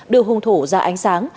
đưa hung thủ ra ánh sáng